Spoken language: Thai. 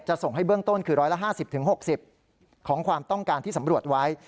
ส่งให้เบื้องต้นคือ๑๕๐๖๐ของความต้องการที่สำรวจไว้